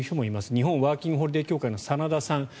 日本ワーキング・ホリデー協会の真田さん